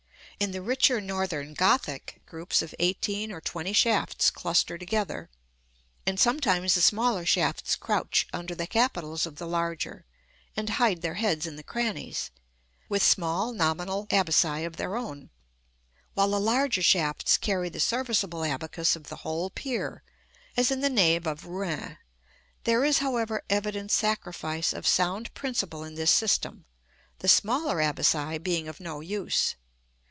In the richer Northern Gothic groups of eighteen or twenty shafts cluster together, and sometimes the smaller shafts crouch under the capitals of the larger, and hide their heads in the crannies, with small nominal abaci of their own, while the larger shafts carry the serviceable abacus of the whole pier, as in the nave of Rouen. There is, however, evident sacrifice of sound principle in this system, the smaller abaci being of no use.